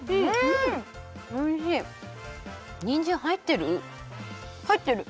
にんじんはいってる？